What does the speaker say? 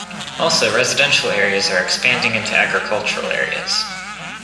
Also, residential areas are expanding into agricultural areas.